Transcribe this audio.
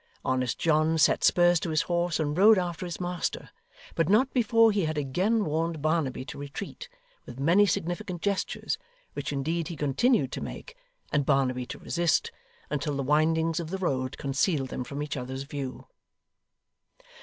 Honest John set spurs to his horse and rode after his master, but not before he had again warned Barnaby to retreat, with many significant gestures, which indeed he continued to make, and Barnaby to resist, until the windings of the road concealed them from each other's view.